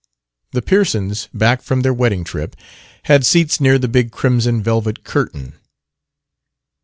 The Pearsons, back from their wedding trip, had seats near the big crimson velvet curtain.